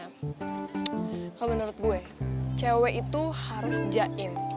kalau menurut gue cewek itu harus jain